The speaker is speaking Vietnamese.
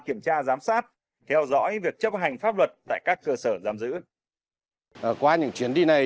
kiểm tra giám sát theo dõi việc chấp hành pháp luật tại các cơ sở giam giữ qua những chuyến đi này